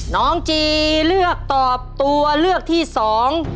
น้องจีเลือกตอบตัวเลือกที่สอง